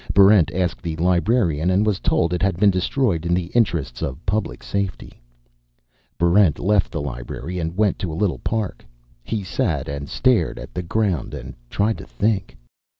Barrent asked the librarian, and was told that it had been destroyed in the interests of public safety. Barrent left the library and went to a little park. He sat and stared at the ground and tried to think.